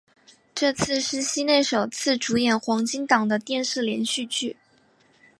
这次是西内首次主演黄金档的电视连续剧。